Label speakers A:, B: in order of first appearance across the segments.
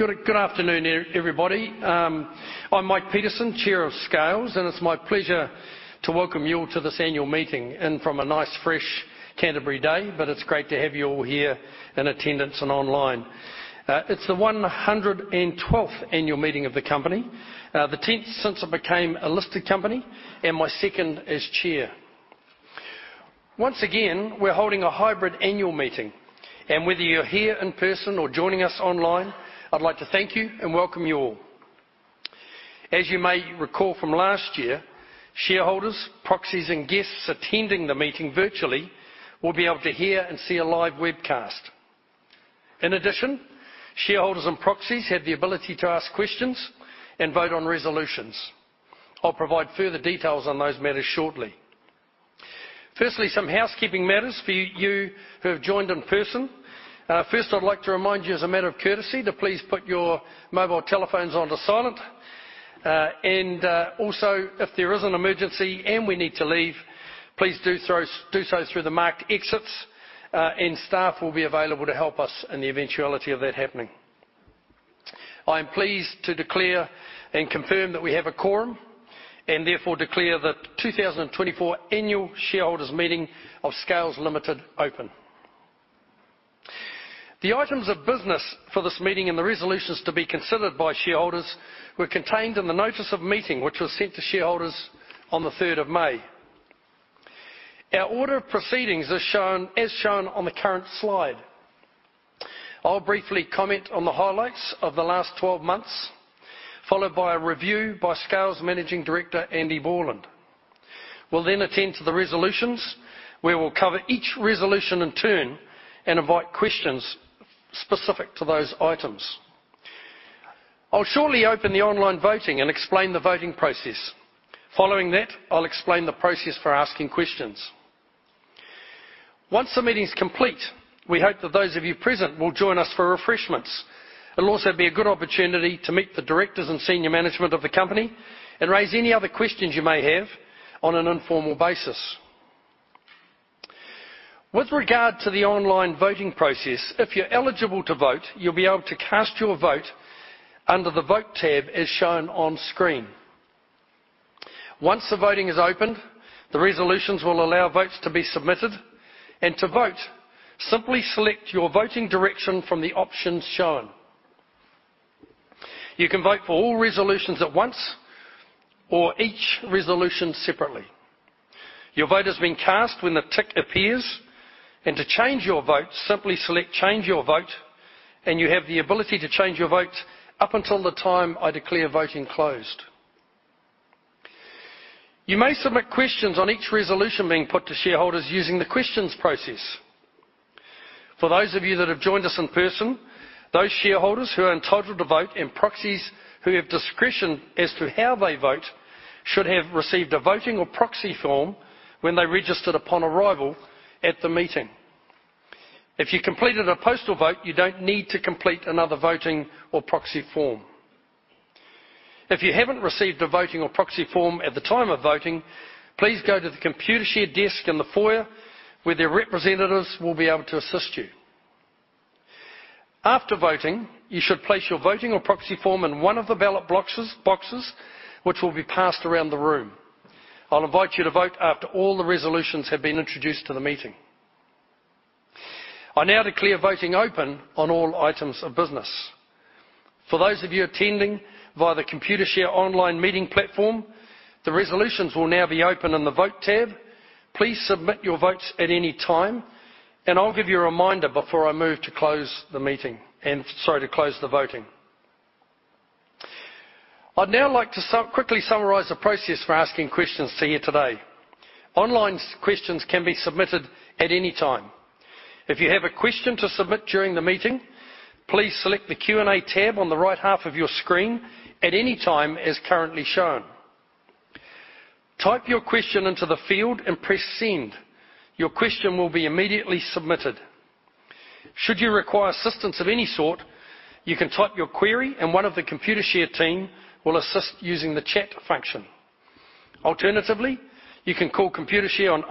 A: Good afternoon, everybody. I'm Mike Petersen, Chair of Scales, and it's my pleasure to welcome you all to this annual meeting, in from a nice, fresh Canterbury day, but it's great to have you all here in attendance and online. It's the one hundred and twelfth annual meeting of the company, the tenth since it became a listed company, and my second as Chair. Once again, we're holding a hybrid annual meeting, and whether you're here in person or joining us online, I'd like to thank you and welcome you all. As you may recall from last year, shareholders, proxies, and guests attending the meeting virtually will be able to hear and see a live webcast. In addition, shareholders and proxies have the ability to ask questions and vote on resolutions. I'll provide further details on those matters shortly. Firstly, some housekeeping matters for you, you who have joined in person. First, I'd like to remind you, as a matter of courtesy, to please put your mobile telephones onto silent, and also, if there is an emergency and we need to leave, please do so through the marked exits, and staff will be available to help us in the eventuality of that happening. I am pleased to declare and confirm that we have a quorum, and therefore declare the 2024 Annual Shareholders Meeting of Scales Limited open. The items of business for this meeting and the resolutions to be considered by shareholders were contained in the notice of meeting, which was sent to shareholders on the third of May. Our order of proceedings is shown on the current slide. I'll briefly comment on the highlights of the last twelve months, followed by a review by Scales Managing Director, Andy Borland. We'll then attend to the resolutions, where we'll cover each resolution in turn and invite questions specific to those items. I'll shortly open the online voting and explain the voting process. Following that, I'll explain the process for asking questions. Once the meeting's complete, we hope that those of you present will join us for refreshments. It'll also be a good opportunity to meet the directors and senior management of the company and raise any other questions you may have on an informal basis. With regard to the online voting process, if you're eligible to vote, you'll be able to cast your vote under the Vote tab, as shown on screen. Once the voting is opened, the resolutions will allow votes to be submitted, and to vote, simply select your voting direction from the options shown. You can vote for all resolutions at once or each resolution separately. Your vote has been cast when the tick appears, and to change your vote, simply select Change Your Vote, and you have the ability to change your vote up until the time I declare voting closed. You may submit questions on each resolution being put to shareholders using the questions process. For those of you that have joined us in person, those shareholders who are entitled to vote, and proxies who have discretion as to how they vote, should have received a voting or proxy form when they registered upon arrival at the meeting. If you completed a postal vote, you don't need to complete another voting or proxy form. If you haven't received a voting or proxy form at the time of voting, please go to the Computershare desk in the foyer, where their representatives will be able to assist you. After voting, you should place your voting or proxy form in one of the ballot boxes, which will be passed around the room. I'll invite you to vote after all the resolutions have been introduced to the meeting. I now declare voting open on all items of business. For those of you attending via the Computershare online meeting platform, the resolutions will now be open in the Vote tab. Please submit your votes at any time, and I'll give you a reminder before I move to close the meeting, and, sorry, to close the voting. I'd now like to quickly summarize the process for asking questions to you today. Online questions can be submitted at any time. If you have a question to submit during the meeting, please select the Q&A tab on the right half of your screen at any time, as currently shown. Type your question into the field and press Send. Your question will be immediately submitted. Should you require assistance of any sort, you can type your query, and one of the Computershare team will assist using the chat function. Alternatively, you can call Computershare on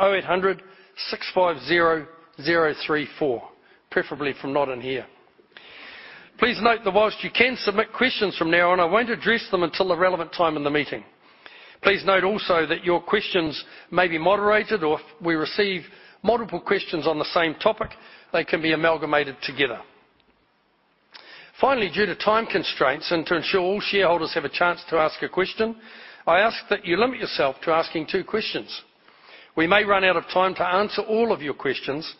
A: 0800-650-034, preferably from not in here. Please note that whilst you can submit questions from now on, I won't address them until the relevant time in the meeting. Please note also that your questions may be moderated, or if we receive multiple questions on the same topic, they can be amalgamated together. Finally, due to time constraints and to ensure all shareholders have a chance to ask a question, I ask that you limit yourself to asking two questions. We may run out of time to answer all of your questions,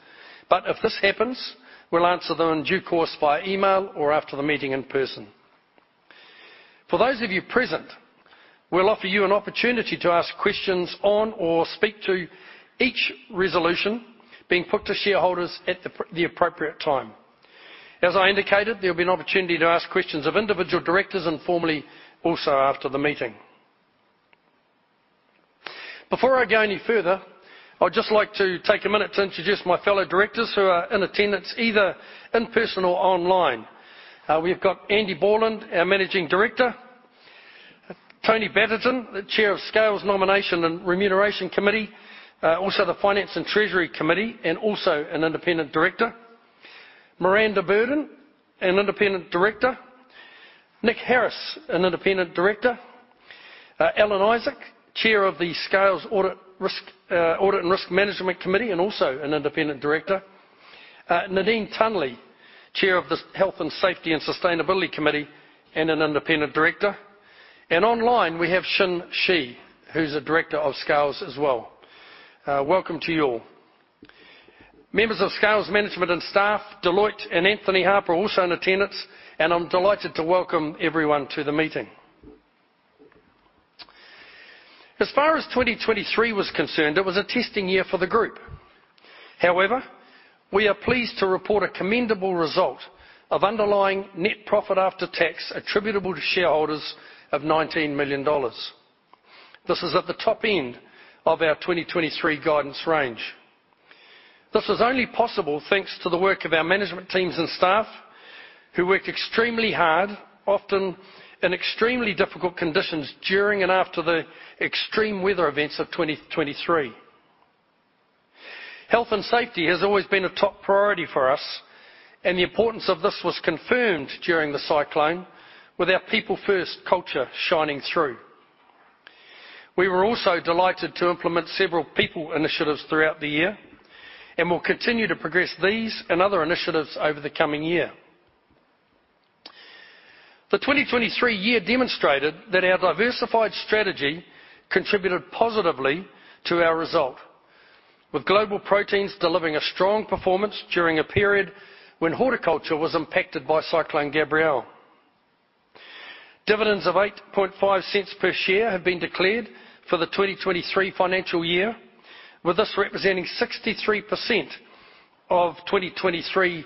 A: but if this happens, we'll answer them in due course via email or after the meeting in person. For those of you present, we'll offer you an opportunity to ask questions on or speak to each resolution being put to shareholders at the appropriate time. As I indicated, there will be an opportunity to ask questions of individual directors informally, also, after the meeting. Before I go any further, I'd just like to take a minute to introduce my fellow directors who are in attendance, either in person or online. We've got Andy Borland, our Managing Director-... Tony Batterton, the Chair of Scales Nomination and Remuneration Committee, also the Finance and Treasury Committee, and also an independent director. Miranda Burdon, an independent director. Nick Harris, an independent director. Alan Isaac, Chair of the Scales Audit and Risk Management Committee, and also an independent director. Nadine Tunley, Chair of the Health and Safety and Sustainability Committee, and an independent director. Online, we have Qi Xin, who's a director of Scales as well. Welcome to you all. Members of Scales management and staff, Deloitte, and Anthony Harper are also in attendance, and I'm delighted to welcome everyone to the meeting. As far as 2023 was concerned, it was a testing year for the group. However, we are pleased to report a commendable result of underlying net profit after tax attributable to shareholders of 19 million dollars. This is at the top end of our 2023 guidance range. This is only possible thanks to the work of our management teams and staff, who worked extremely hard, often in extremely difficult conditions during and after the extreme weather events of 2023. Health and safety has always been a top priority for us, and the importance of this was confirmed during the cyclone, with our people-first culture shining through. We were also delighted to implement several people initiatives throughout the year, and we'll continue to progress these and other initiatives over the coming year. The 2023 year demonstrated that our diversified strategy contributed positively to our result, with Global Proteins delivering a strong performance during a period when horticulture was impacted by Cyclone Gabrielle. Dividends of 0.085 per share have been declared for the 2023 financial year, with this representing 63% of 2023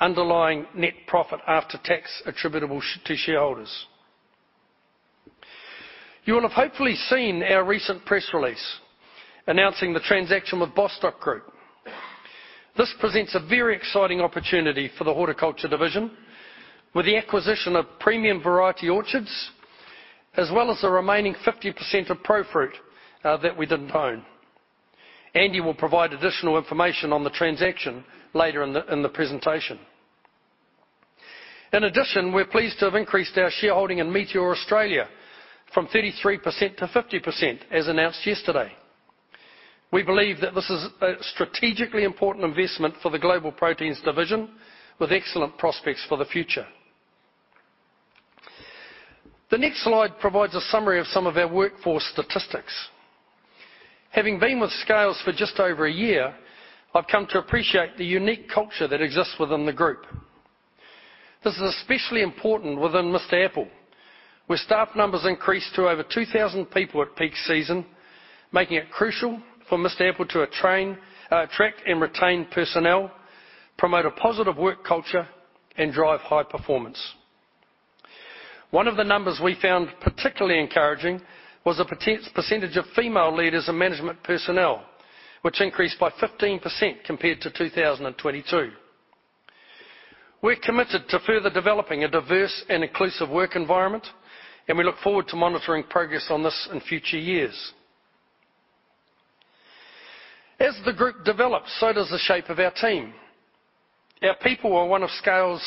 A: underlying net profit after tax attributable to shareholders. You will have hopefully seen our recent press release announcing the transaction with Bostock Group. This presents a very exciting opportunity for the horticulture division, with the acquisition of premium variety orchards, as well as the remaining 50% of Profruit that we didn't own. Andy will provide additional information on the transaction later in the presentation. In addition, we're pleased to have increased our shareholding in Meateor Australia from 33% to 50%, as announced yesterday. We believe that this is a strategically important investment for the Global Proteins Division, with excellent prospects for the future. The next slide provides a summary of some of our workforce statistics. Having been with Scales for just over a year, I've come to appreciate the unique culture that exists within the group. This is especially important within Mr Apple, where staff numbers increased to over two thousand people at peak season, making it crucial for Mr Apple to attract and retain personnel, promote a positive work culture, and drive high performance. One of the numbers we found particularly encouraging was the percentage of female leaders and management personnel, which increased by 15% compared to two thousand and twenty-two. We're committed to further developing a diverse and inclusive work environment, and we look forward to monitoring progress on this in future years. As the group develops, so does the shape of our team. Our people are one of Scales'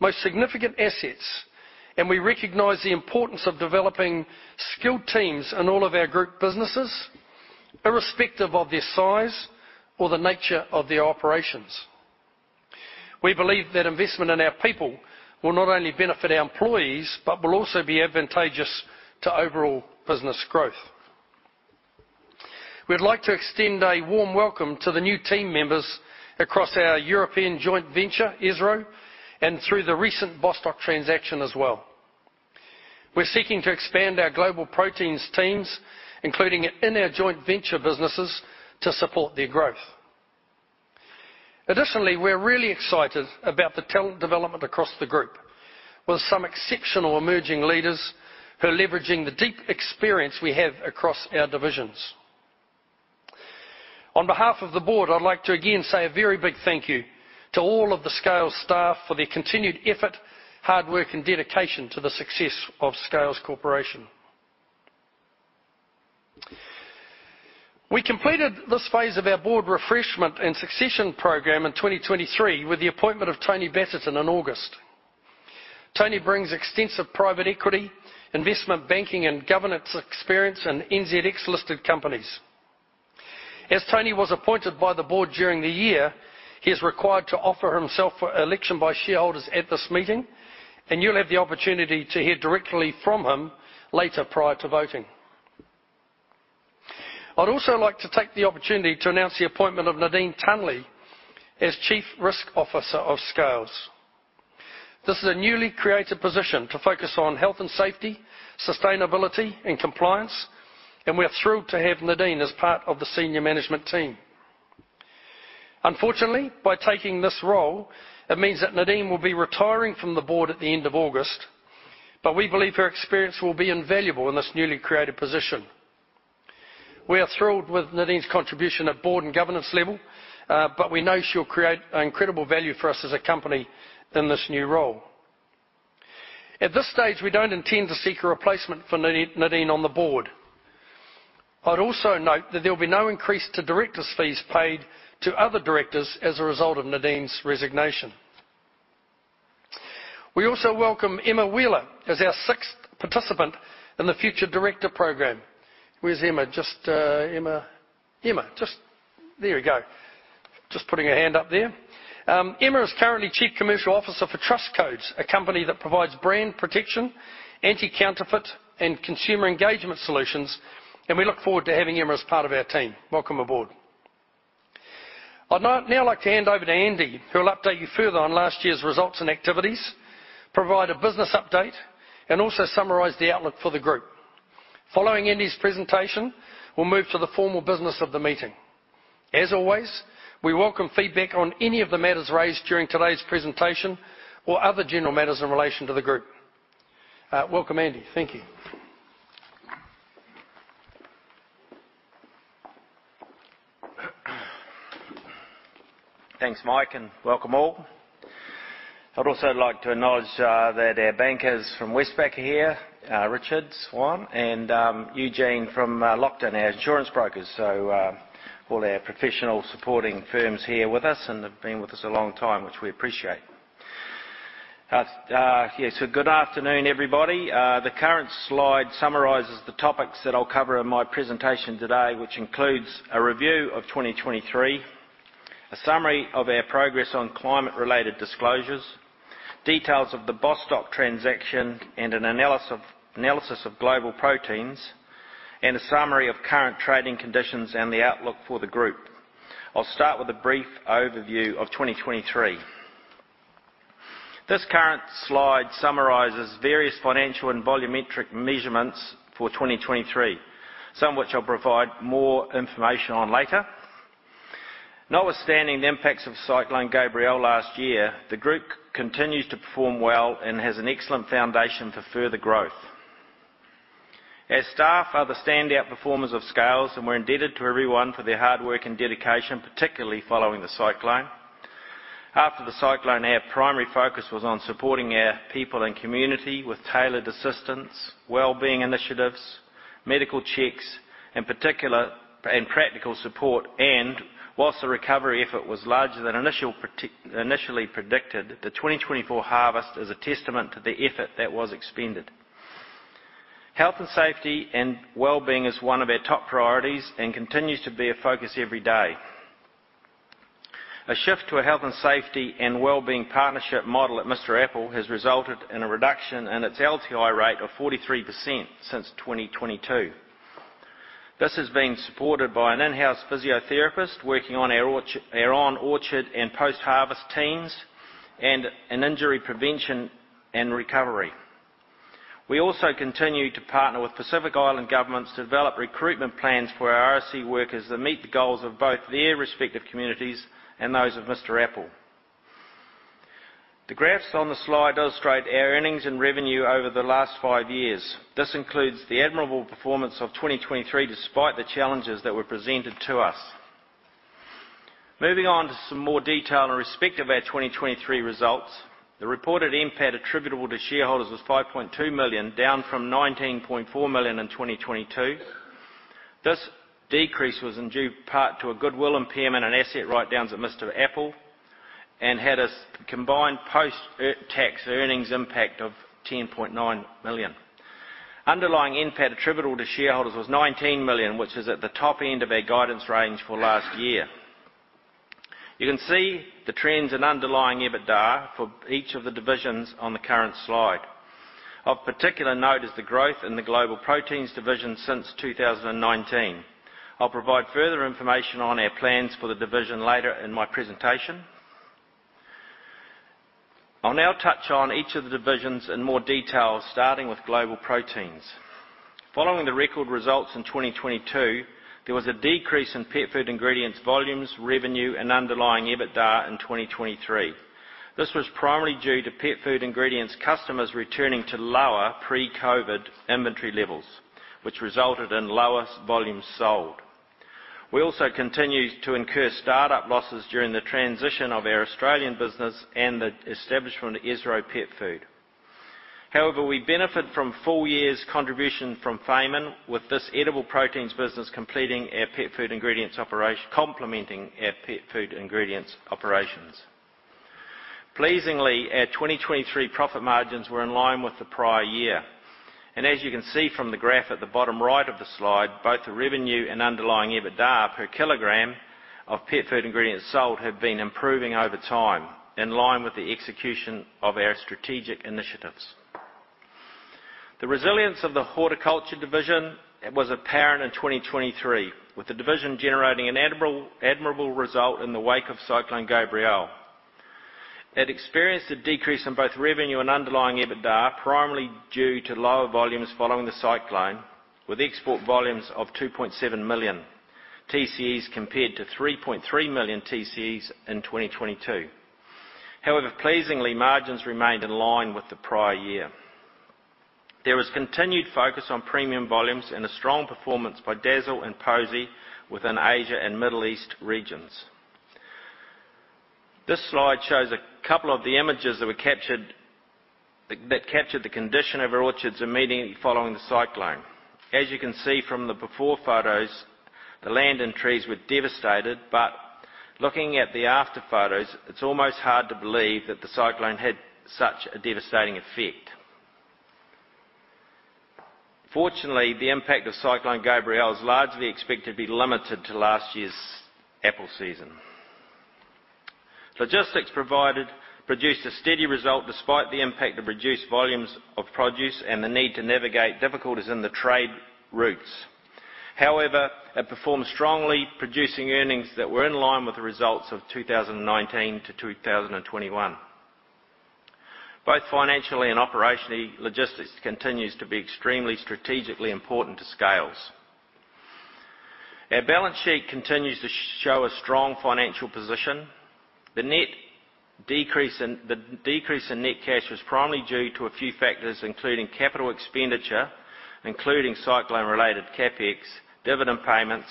A: most significant assets, and we recognize the importance of developing skilled teams in all of our group businesses, irrespective of their size or the nature of their operations. We believe that investment in our people will not only benefit our employees, but will also be advantageous to overall business growth. We'd like to extend a warm welcome to the new team members across our European joint venture, Esro, and through the recent Bostock transaction as well. We're seeking to expand our global proteins teams, including in our joint venture businesses, to support their growth. Additionally, we're really excited about the talent development across the group, with some exceptional emerging leaders who are leveraging the deep experience we have across our divisions. On behalf of the board, I'd like to again say a very big thank you to all of the Scales staff for their continued effort, hard work, and dedication to the success of Scales Corporation. We completed this phase of our board refreshment and succession program in 2023 with the appointment of Tony Batterton in August. Tony brings extensive private equity, investment banking, and governance experience in NZX-listed companies. As Tony was appointed by the board during the year, he is required to offer himself for election by shareholders at this meeting, and you'll have the opportunity to hear directly from him later prior to voting. I'd also like to take the opportunity to announce the appointment of Nadine Tunley as Chief Risk Officer of Scales. This is a newly created position to focus on health and safety, sustainability, and compliance, and we are thrilled to have Nadine as part of the senior management team. Unfortunately, by taking this role, it means that Nadine will be retiring from the board at the end of August, but we believe her experience will be invaluable in this newly created position. We are thrilled with Nadine's contribution at board and governance level, but we know she'll create incredible value for us as a company in this new role. At this stage, we don't intend to seek a replacement for Nadine on the board. I'd also note that there will be no increase to directors' fees paid to other directors as a result of Nadine's resignation. We also welcome Emma Wheeler as our sixth participant in the Future Director Program. Where's Emma? Just, Emma. Emma, just... There we go. Just putting her hand up there. Emma is currently Chief Commercial Officer for Trust Codes, a company that provides brand protection, anti-counterfeit, and consumer engagement solutions, and we look forward to having Emma as part of our team. Welcome aboard. I'd now like to hand over to Andy, who will update you further on last year's results and activities, provide a business update, and also summarize the outlook for the group. Following Andy's presentation, we'll move to the formal business of the meeting. As always, we welcome feedback on any of the matters raised during today's presentation or other general matters in relation to the group. Welcome, Andy. Thank you.
B: Thanks, Mike, and welcome all. I'd also like to acknowledge that our bankers from Westpac are here, Richard Swan and Eugene from Lockton, our insurance brokers. So, all our professional supporting firms here with us, and they've been with us a long time, which we appreciate. Yes, so good afternoon, everybody. The current slide summarizes the topics that I'll cover in my presentation today, which includes a review of 2023, a summary of our progress on climate-related disclosures, details of the Bostock transaction, and an analysis of Global Proteins, and a summary of current trading conditions and the outlook for the group. I'll start with a brief overview of 2023. This current slide summarizes various financial and volumetric measurements for 2023, some of which I'll provide more information on later. Notwithstanding the impacts of Cyclone Gabrielle last year, the group continues to perform well and has an excellent foundation for further growth. Our staff are the standout performers of Scales, and we're indebted to everyone for their hard work and dedication, particularly following the cyclone. After the cyclone, our primary focus was on supporting our people and community with tailored assistance, well-being initiatives, medical checks, and practical support, and while the recovery effort was larger than initially predicted, the twenty twenty-four harvest is a testament to the effort that was expended. Health and safety and well-being is one of our top priorities and continues to be a focus every day. A shift to a health and safety and well-being partnership model at Mr Apple has resulted in a reduction in its LTI rate of 43% since twenty twenty-two. This is being supported by an in-house physiotherapist working on our orchard and post-harvest teams and an injury prevention and recovery. We also continue to partner with Pacific Island governments to develop recruitment plans for our RSE workers that meet the goals of both their respective communities and those of Mr Apple. The graphs on the slide illustrate our earnings and revenue over the last five years. This includes the admirable performance of 2023, despite the challenges that were presented to us. Moving on to some more detail in respect of our 2023 results, the reported NPAT attributable to shareholders was 5.2 million, down from 19.4 million in 2022. This decrease was in large part to a goodwill impairment and asset write-downs at Mr Apple and had a combined post-tax earnings impact of 10.9 million. Underlying NPAT attributable to shareholders was 19 million, which is at the top end of our guidance range for last year. You can see the trends in underlying EBITDA for each of the divisions on the current slide. Of particular note is the growth in the Global Proteins division since 2019. I'll provide further information on our plans for the division later in my presentation. I'll now touch on each of the divisions in more detail, starting with Global Proteins. Following the record results in 2022, there was a decrease in pet food ingredients, volumes, revenue, and underlying EBITDA in 2023. This was primarily due to pet food ingredients customers returning to lower pre-COVID inventory levels, which resulted in lower volumes sold. We also continued to incur startup losses during the transition of our Australian business and the establishment of Esro Pet Food. However, we benefit from full year's contribution from Fayman, with this edible proteins business completing our pet food ingredients operation, complementing our pet food ingredients operations. Pleasingly, our 2023 profit margins were in line with the prior year, and as you can see from the graph at the bottom right of the slide, both the revenue and underlying EBITDA per kilogram of pet food ingredients sold have been improving over time, in line with the execution of our strategic initiatives. The resilience of the Horticulture division was apparent in 2023, with the division generating an admirable, admirable result in the wake of Cyclone Gabrielle. It experienced a decrease in both revenue and underlying EBITDA, primarily due to lower volumes following the cyclone, with export volumes of 2.7 million TCEs compared to 3.3 million TCEs in 2022. However, pleasingly, margins remained in line with the prior year. There was continued focus on premium volumes and a strong performance by Dazzle and Posy within Asia and Middle East regions. This slide shows a couple of the images that were captured that captured the condition of our orchards immediately following the cyclone. As you can see from the before photos, the land and trees were devastated, but looking at the after photos, it's almost hard to believe that the cyclone had such a devastating effect. Fortunately, the impact of Cyclone Gabrielle is largely expected to be limited to last year's apple season. Logistics produced a steady result despite the impact of reduced volumes of produce and the need to navigate difficulties in the trade routes. However, it performed strongly, producing earnings that were in line with the results of 2019 to 2021. Both financially and operationally, Logistics continues to be extremely strategically important to Scales. Our balance sheet continues to show a strong financial position. The decrease in net cash was primarily due to a few factors, including capital expenditure, including cyclone-related CapEx, dividend payments,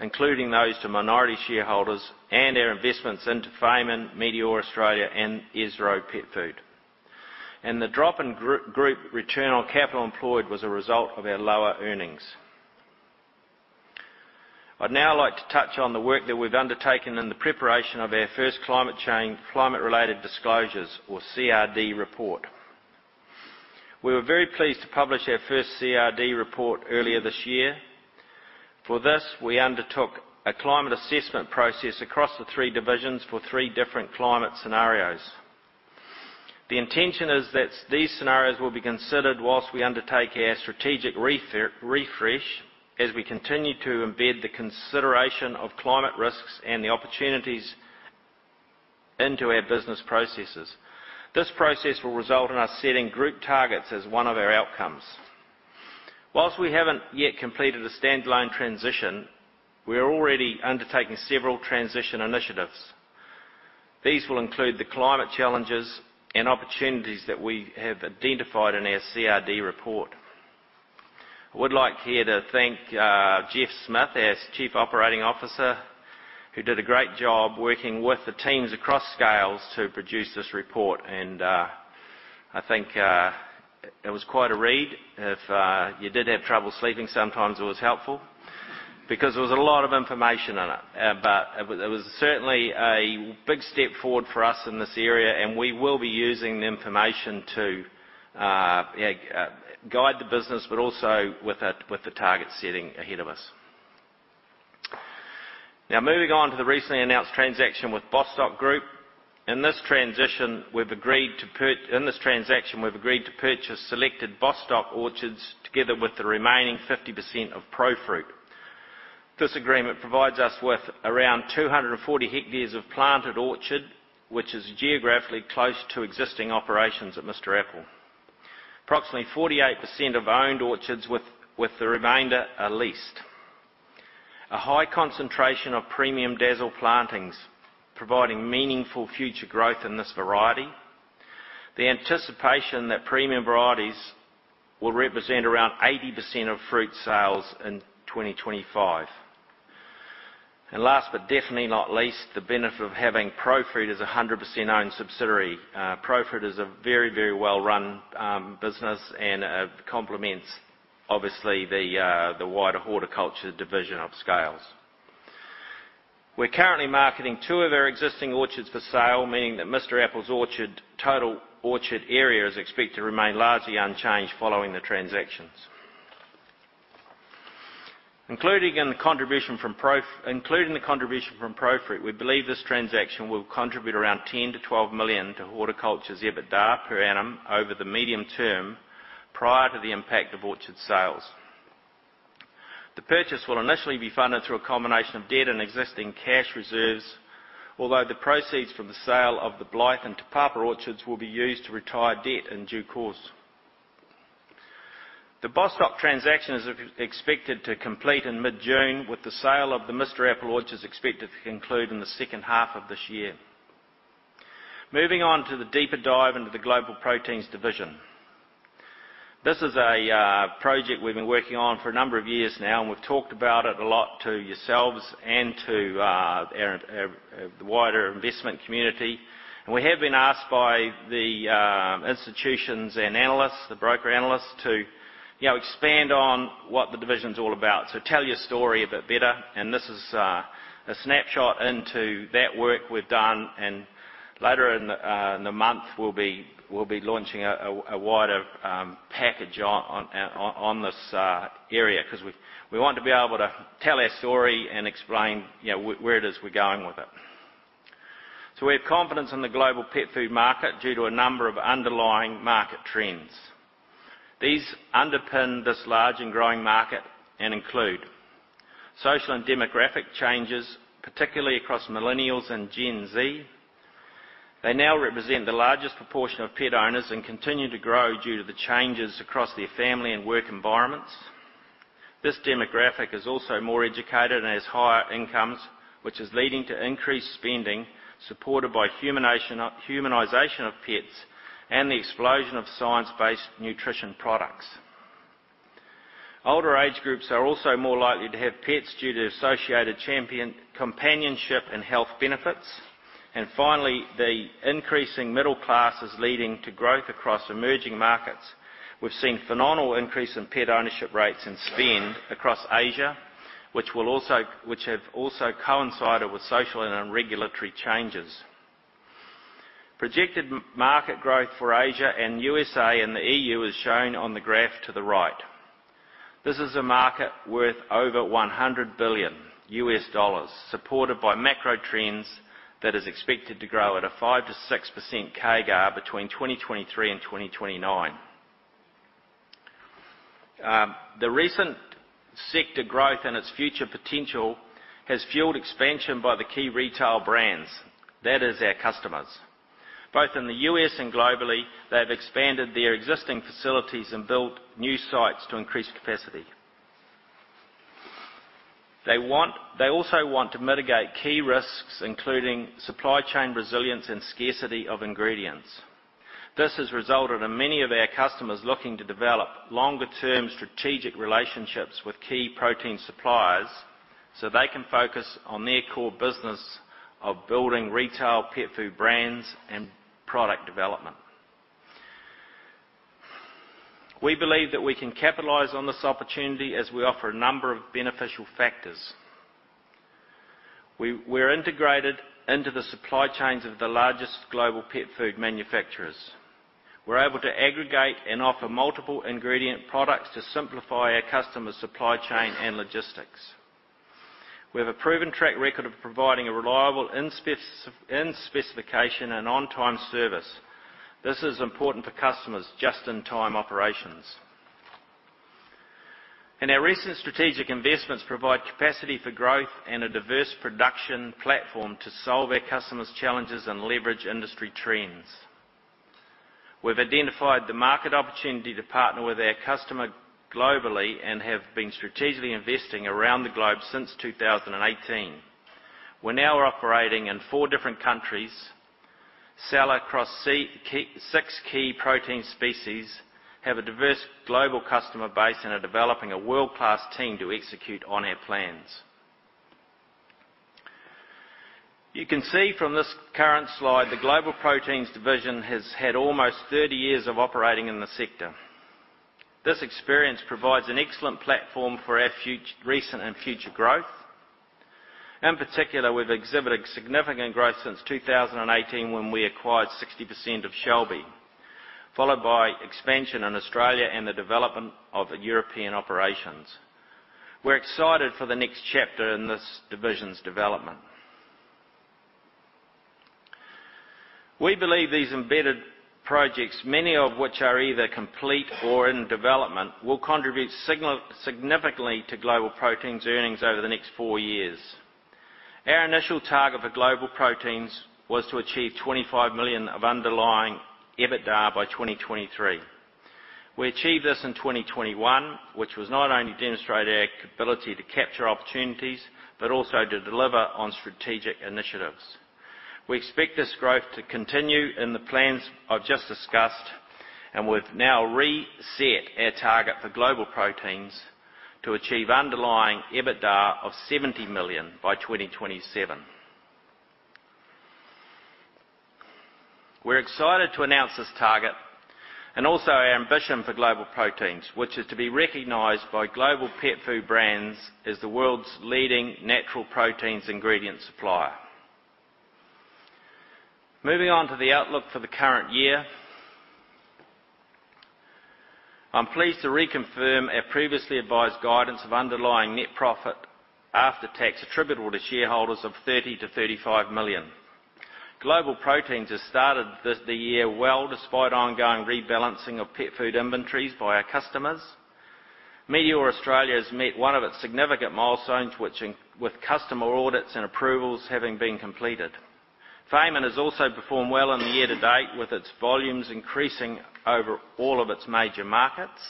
B: including those to minority shareholders, and our investments into Fayman, Meateor Australia, and Esro Pet Food. And the drop in group return on capital employed was a result of our lower earnings. I'd now like to touch on the work that we've undertaken in the preparation of our first climate change, Climate-Related Disclosures, or CRD report. We were very pleased to publish our first CRD report earlier this year. For this, we undertook a climate assessment process across the three divisions for three different climate scenarios. The intention is that these scenarios will be considered while we undertake our strategic refresh, as we continue to embed the consideration of climate risks and the opportunities into our business processes. This process will result in us setting group targets as one of our outcomes. While we haven't yet completed a standalone transition, we are already undertaking several transition initiatives. These will include the climate challenges and opportunities that we have identified in our CRD report. I would like here to thank Geoff Smith, our Chief Operating Officer, who did a great job working with the teams across Scales to produce this report, and I think it was quite a read. If you did have trouble sleeping, sometimes it was helpful because there was a lot of information in it. But it was certainly a big step forward for us in this area, and we will be using the information to guide the business, but also with the target setting ahead of us. Now, moving on to the recently announced transaction with Bostock Group. In this transaction, we've agreed to purchase selected Bostock orchards, together with the remaining 50% of Profruit. This agreement provides us with around 240 hectares of planted orchard, which is geographically close to existing operations at Mr Apple. Approximately 48% of owned orchards, with the remainder are leased. A high concentration of premium Dazzle plantings, providing meaningful future growth in this variety. The anticipation that premium varieties will represent around 80% of fruit sales in 2025. And last, but definitely not least, the benefit of having Profruit as a 100% owned subsidiary. Profruit is a very, very well-run business, and it complements, obviously, the wider horticulture division of Scales. We're currently marketing two of our existing orchards for sale, meaning that Mr Apple's total orchard area is expected to remain largely unchanged following the transactions. Including the contribution from Profruit, we believe this transaction will contribute around 10-12 million to Horticulture's EBITDA per annum over the medium term, prior to the impact of orchard sales. The purchase will initially be funded through a combination of debt and existing cash reserves, although the proceeds from the sale of the Blyth and Te Papa orchards will be used to retire debt in due course. The Bostock transaction is expected to complete in mid-June, with the sale of the Mr Apple orchards expected to conclude in the second half of this year. Moving on to the deeper dive into the Global Proteins division. This is a project we've been working on for a number of years now, and we've talked about it a lot to yourselves and to our wider investment community, and we have been asked by the institutions and analysts, the broker analysts, to you know expand on what the division's all about. So tell your story a bit better, and this is a snapshot into that work we've done, and later in the month, we'll be launching a wider package on this area, 'cause we want to be able to tell our story and explain, you know, where it is we're going with it. So we have confidence in the global pet food market due to a number of underlying market trends. These underpin this large and growing market and include social and demographic changes, particularly across Millennials and Gen Z. They now represent the largest proportion of pet owners and continue to grow due to the changes across their family and work environments.... This demographic is also more educated and has higher incomes, which is leading to increased spending, supported by humanization of pets and the explosion of science-based nutrition products. Older age groups are also more likely to have pets due to associated companionship and health benefits. And finally, the increasing middle class is leading to growth across emerging markets. We've seen phenomenal increase in pet ownership rates and spend across Asia, which have also coincided with social and regulatory changes. Projected market growth for Asia, and USA, and the EU is shown on the graph to the right. This is a market worth over $100 billion, supported by macro trends that is expected to grow at a 5%-6% CAGR between 2023 and 2029. The recent sector growth and its future potential has fueled expansion by the key retail brands, that is our customers. Both in the U.S. and globally, they have expanded their existing facilities and built new sites to increase capacity. They want, they also want to mitigate key risks, including supply chain resilience and scarcity of ingredients. This has resulted in many of our customers looking to develop longer-term strategic relationships with key protein suppliers, so they can focus on their core business of building retail pet food brands and product development. We believe that we can capitalize on this opportunity as we offer a number of beneficial factors. We're integrated into the supply chains of the largest global pet food manufacturers. We're able to aggregate and offer multiple ingredient products to simplify our customers' supply chain and Logistics. We have a proven track record of providing a reliable, in specification and on-time service. This is important for customers' just-in-time operations, and our recent strategic investments provide capacity for growth and a diverse production platform to solve our customers' challenges and leverage industry trends. We've identified the market opportunity to partner with our customer globally and have been strategically investing around the globe since two thousand and eighteen. We're now operating in four different countries, sell across six key protein species, have a diverse global customer base, and are developing a world-class team to execute on our plans. You can see from this current slide, the Global Proteins division has had almost thirty years of operating in the sector. This experience provides an excellent platform for our recent and future growth. In particular, we've exhibited significant growth since 2018, when we acquired 60% of Shelby, followed by expansion in Australia and the development of European operations. We're excited for the next chapter in this division's development. We believe these embedded projects, many of which are either complete or in development, will contribute significantly to Global Proteins' earnings over the next four years. Our initial target for Global Proteins was to achieve 25 million of underlying EBITDA by 2023. We achieved this in 2021, which was not only demonstrate our ability to capture opportunities, but also to deliver on strategic initiatives. We expect this growth to continue in the plans I've just discussed, and we've now reset our target for Global Proteins to achieve underlying EBITDA of 70 million by 2027. We're excited to announce this target and also our ambition for Global Proteins, which is to be recognized by global pet food brands as the world's leading natural proteins ingredient supplier. Moving on to the outlook for the current year. I'm pleased to reconfirm our previously advised guidance of underlying NPAT attributable to shareholders of 30-35 million. Global Proteins has started the year well, despite ongoing rebalancing of pet food inventories by our customers. Meateor Australia has met one of its significant milestones, with customer audits and approvals having been completed. Fayman has also performed well in the year to date, with its volumes increasing over all of its major markets.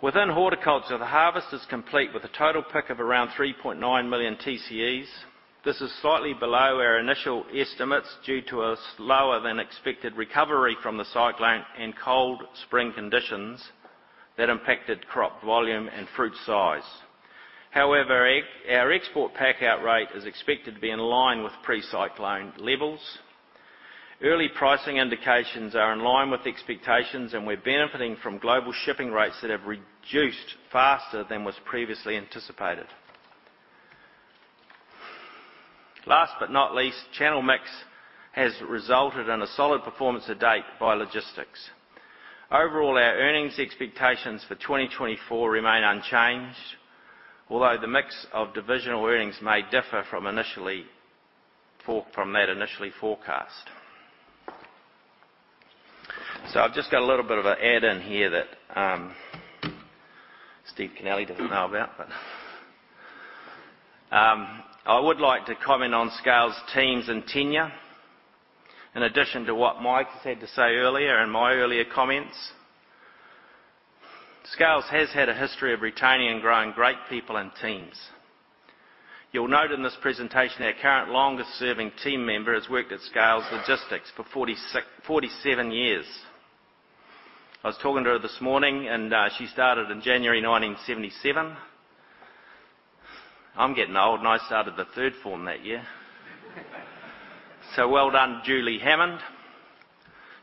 B: Within horticulture, the harvest is complete, with a total pick of around 3.9 million TCEs. This is slightly below our initial estimates due to a slower-than-expected recovery from the cyclone and cold spring conditions that impacted crop volume and fruit size. However, our export pack-out rate is expected to be in line with pre-cyclone levels. Early pricing indications are in line with expectations, and we're benefiting from global shipping rates that have reduced faster than was previously anticipated. Last but not least, channel mix has resulted in a solid performance to date by Logistics. Overall, our earnings expectations for twenty twenty-four remain unchanged, although the mix of divisional earnings may differ from that initially forecast. So I've just got a little bit of an add-in here that, Steve Kennelly doesn't know about, but I would like to comment on Scales' teams and tenure. In addition to what Mike has had to say earlier and my earlier comments, Scales has had a history of retaining and growing great people and teams. You'll note in this presentation, our current longest-serving team member has worked at Scales Logistics for forty-seven years. I was talking to her this morning, and she started in January nineteen seventy-seven. I'm getting old, and I started the third form that year. So well done, Julie Hammond.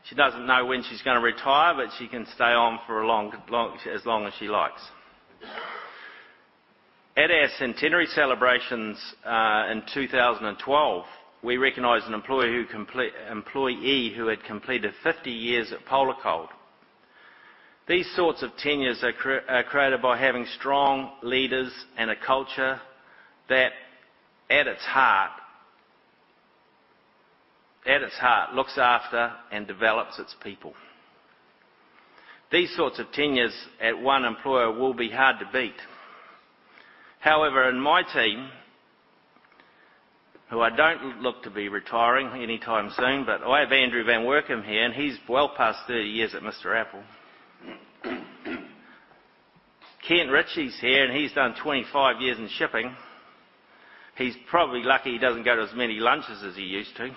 B: She doesn't know when she's gonna retire, but she can stay on for a long, long, as long as she likes. At our centenary celebrations in two thousand and twelve, we recognized an employee who had completed fifty years at Polar Cold. These sorts of tenures are created by having strong leaders and a culture that, at its heart, at its heart, looks after and develops its people. These sorts of tenures at one employer will be hard to beat. However, in my team, who I don't look to be retiring anytime soon, but I have Andrew van Workum here, and he's well past thirty years at Mr Apple. Kent Ritchie's here, and he's done twenty-five years in shipping. He's probably lucky he doesn't go to as many lunches as he used to.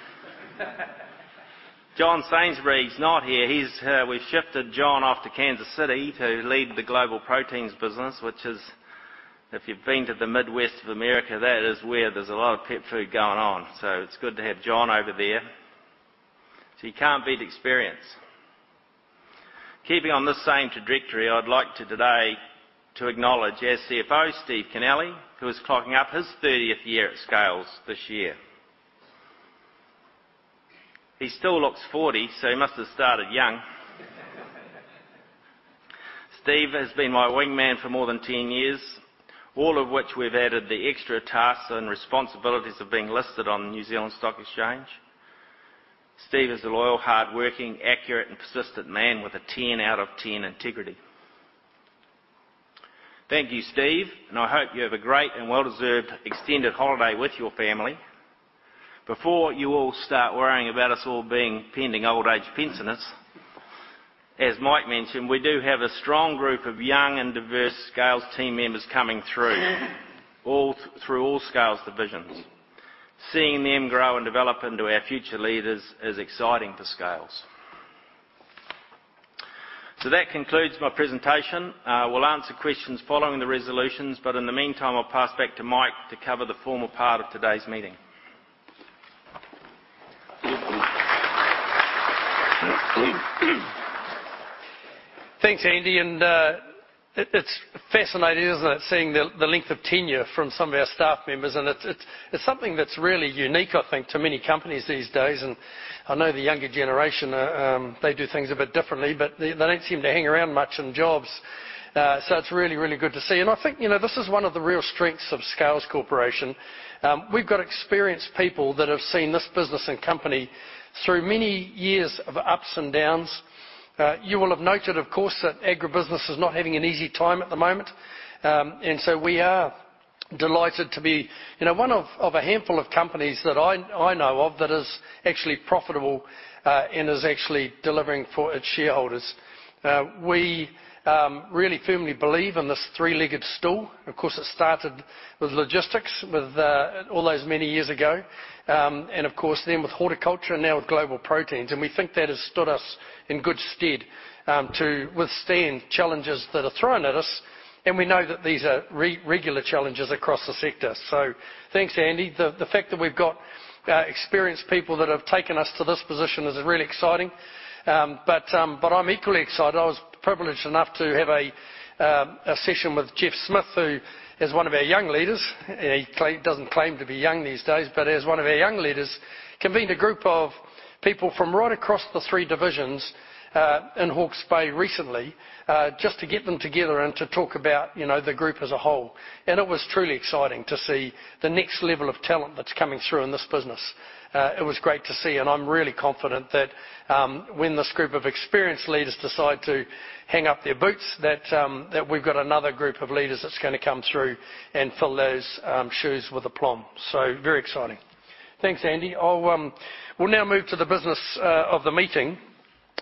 B: John Sainsbury's not here. He's. We've shifted John off to Kansas City to lead the Global Proteins business, which is, if you've been to the Midwest of America, that is where there's a lot of pet food going on. So it's good to have John over there. So you can't beat experience. Keeping on this same trajectory, I'd like to today to acknowledge our CFO, Steve Kennelly, who is clocking up his 30th year at Scales this year. He still looks 40, so he must have started young. Steve has been my wingman for more than 10 years, all of which we've added the extra tasks and responsibilities of being listed on the New Zealand Stock Exchange. Steve is a loyal, hardworking, accurate, and persistent man with a 10 out of 10 integrity. Thank you, Steve, and I hope you have a great and well-deserved extended holiday with your family. Before you all start worrying about us all being pending old-age pensioners, as Mike mentioned, we do have a strong group of young and diverse Scales team members coming through, all through all Scales divisions. Seeing them grow and develop into our future leaders is exciting for Scales. So that concludes my presentation. We'll answer questions following the resolutions, but in the meantime, I'll pass back to Mike to cover the formal part of today's meeting.
A: Thanks, Andy. And, it, it's fascinating, isn't it? Seeing the length of tenure from some of our staff members, and it's something that's really unique, I think, to many companies these days. And I know the younger generation, they do things a bit differently, but they don't seem to hang around much in jobs. So it's really good to see. And I think, you know, this is one of the real strengths of Scales Corporation. We've got experienced people that have seen this business and company through many years of ups and downs. You will have noted, of course, that agribusiness is not having an easy time at the moment. And so we are delighted to be, you know, one of a handful of companies that I know of, that is actually profitable, and is actually delivering for its shareholders. We really firmly believe in this three-legged stool. Of course, it started with Logistics, with all those many years ago, and of course, then with horticulture and now with Global Proteins. And we think that has stood us in good stead, to withstand challenges that are thrown at us, and we know that these are regular challenges across the sector. So thanks, Andy. The fact that we've got experienced people that have taken us to this position is really exciting. But I'm equally excited. I was privileged enough to have a session with Geoff Smith, who is one of our young leaders. He doesn't claim to be young these days, but as one of our young leaders, convened a group of people from right across the three divisions, in Hawke's Bay recently, just to get them together and to talk about, you know, the group as a whole. And it was truly exciting to see the next level of talent that's coming through in this business. It was great to see, and I'm really confident that, when this group of experienced leaders decide to hang up their boots, that we've got another group of leaders that's gonna come through and fill those shoes with aplomb. So very exciting. Thanks, Andy. I'll. We'll now move to the business of the meeting,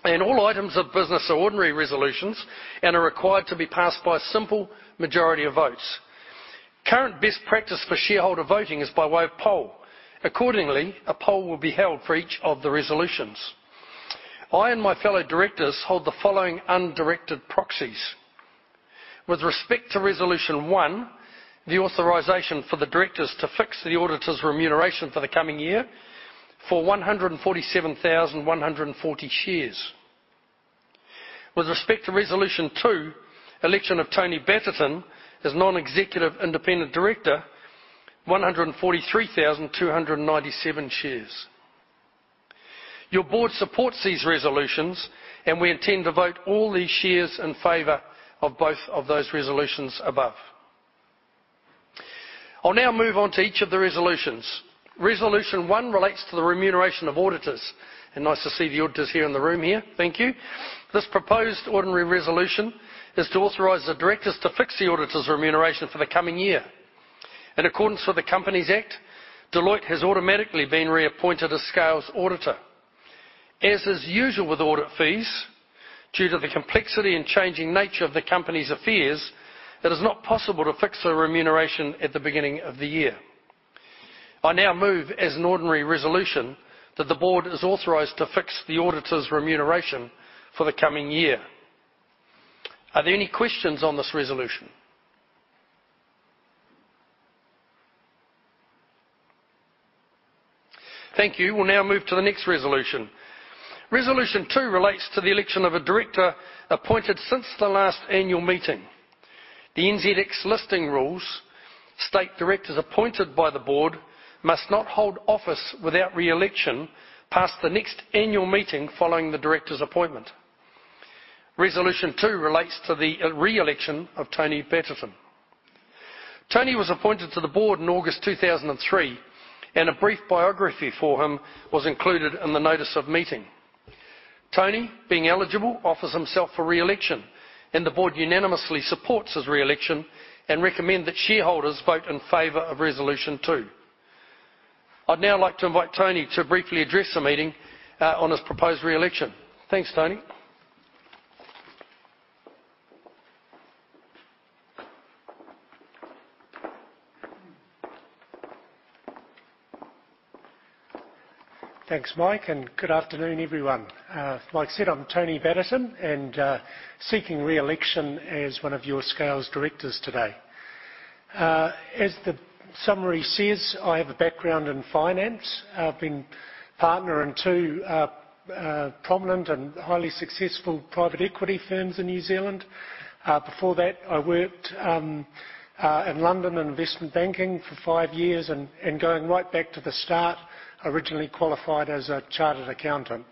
A: and all items of business are ordinary resolutions and are required to be passed by a simple majority of votes. Current best practice for shareholder voting is by way of poll. Accordingly, a poll will be held for each of the resolutions. I and my fellow directors hold the following undirected proxies: with respect to resolution one, the authorization for the directors to fix the auditor's remuneration for the coming year for 147,140 shares. With respect to resolution two, election of Tony Batterton as non-executive independent director, 143,297 shares. Your board supports these resolutions, and we intend to vote all these shares in favor of both of those resolutions above. I'll now move on to each of the resolutions. Resolution one relates to the remuneration of auditors, and nice to see the auditors here in the room here. Thank you. This proposed ordinary resolution is to authorize the directors to fix the auditors' remuneration for the coming year. In accordance with the Companies Act, Deloitte has automatically been reappointed as Scales' auditor. As is usual with audit fees, due to the complexity and changing nature of the company's affairs, it is not possible to fix their remuneration at the beginning of the year. I now move, as an ordinary resolution, that the board is authorized to fix the auditor's remuneration for the coming year. Are there any questions on this resolution? Thank you. We'll now move to the next resolution. Resolution two relates to the election of a director appointed since the last annual meeting. The NZX listing rules state directors appointed by the board must not hold office without re-election past the next annual meeting following the director's appointment. Resolution two relates to the re-election of Tony Batterton. Tony was appointed to the board in August 2003, and a brief biography for him was included in the notice of meeting. Tony, being eligible, offers himself for re-election, and the board unanimously supports his re-election and recommend that shareholders vote in favor of resolution two. I'd now like to invite Tony to briefly address the meeting, on his proposed re-election. Thanks, Tony.
C: Thanks, Mike, and good afternoon, everyone. Like I said, I'm Tony Batterton, and seeking re-election as one of your Scales directors today. As the summary says, I have a background in finance. I've been partner in two prominent and highly successful private equity firms in New Zealand. Before that, I worked in London, in investment banking for five years. And going right back to the start, I originally qualified as a chartered accountant,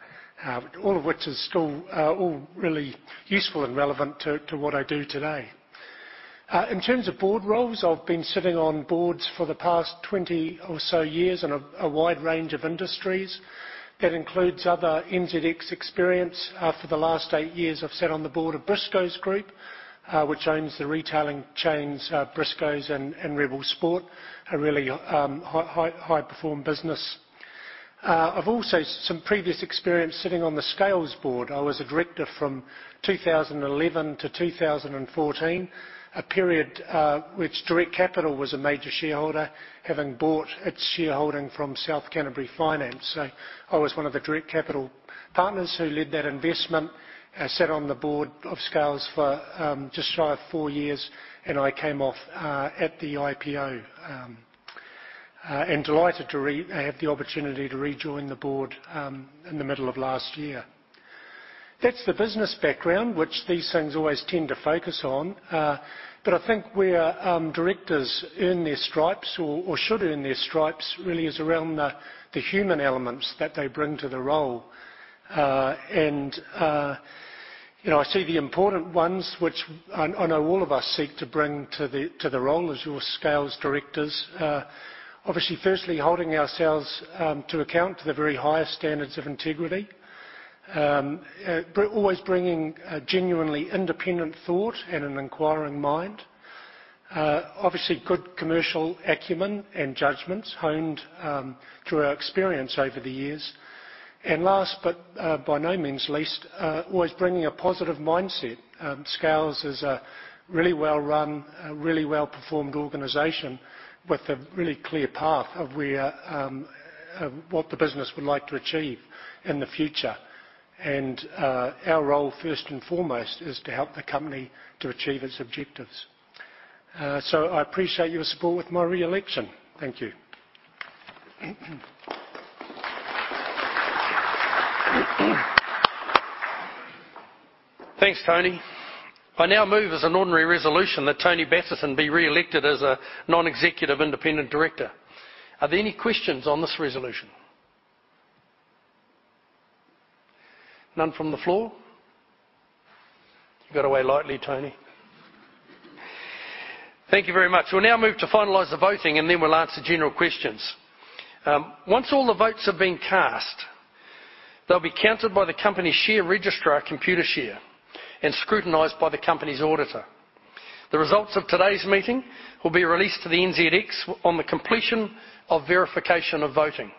C: all of which is still all really useful and relevant to what I do today. In terms of board roles, I've been sitting on boards for the past twenty or so years in a wide range of industries. That includes other NZX experience. For the last eight years, I've sat on the board of Briscoe Group, which owns the retailing chains, Briscoes and Rebel Sport, a really high-performing business. I've also some previous experience sitting on the Scales board. I was a director from 2011 to 2014, a period which Direct Capital was a major shareholder, having bought its shareholding from South Canterbury Finance. So I was one of the Direct Capital partners who led that investment. I sat on the board of Scales for just shy of four years, and I came off at the IPO, and delighted to have the opportunity to rejoin the board in the middle of last year. That's the business background, which these things always tend to focus on, but I think where directors earn their stripes or should earn their stripes really is around the human elements that they bring to the role. And you know, I see the important ones, which I know all of us seek to bring to the role as your Scales directors. Obviously, firstly, holding ourselves to account to the very highest standards of integrity. Always bringing a genuinely independent thought and an inquiring mind. Obviously, good commercial acumen and judgments honed through our experience over the years. And last, but by no means least, always bringing a positive mindset. Scales is a really well-run, a really well-performed organization with a really clear path of where, what the business would like to achieve in the future. Our role, first and foremost, is to help the company to achieve its objectives. I appreciate your support with my re-election. Thank you.
A: Thanks, Tony. I now move as an ordinary resolution that Tony Batterton be re-elected as a non-executive independent director. Are there any questions on this resolution? None from the floor? You got away lightly, Tony. Thank you very much. We'll now move to finalize the voting, and then we'll answer general questions. Once all the votes have been cast, they'll be counted by the company's share registrar, Computershare, and scrutinized by the company's auditor. The results of today's meeting will be released to the NZX on the completion of verification of voting.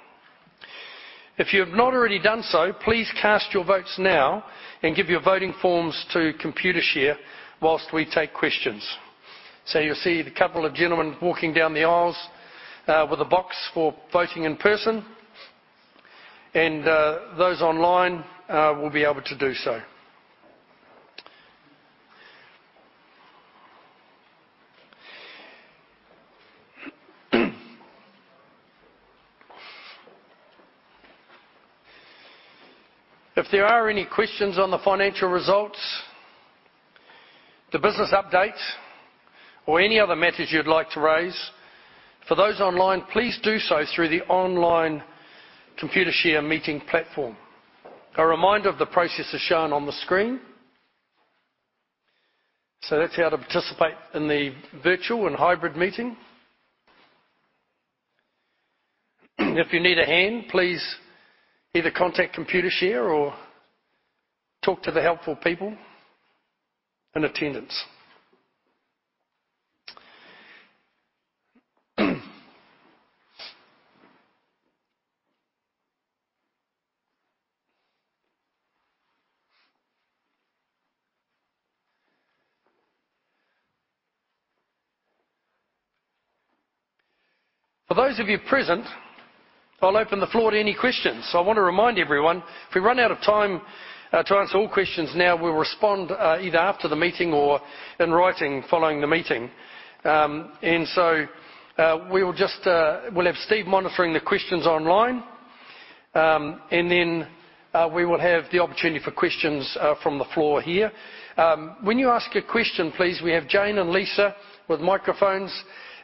A: If you have not already done so, please cast your votes now and give your voting forms to Computershare whilst we take questions. So you'll see the couple of gentlemen walking down the aisles with a box for voting in person, and those online will be able to do so. If there are any questions on the financial results, the business update, or any other matters you'd like to raise, for those online, please do so through the online Computershare meeting platform. A reminder of the process is shown on the screen. So that's how to participate in the virtual and hybrid meeting. If you need a hand, please either contact Computershare or talk to the helpful people in attendance. For those of you present, I'll open the floor to any questions. So I want to remind everyone, if we run out of time to answer all questions now, we'll respond either after the meeting or in writing following the meeting. And so, we will just have Steve monitoring the questions online. And then, we will have the opportunity for questions from the floor here. When you ask a question, please, we have Jane and Lisa with microphones.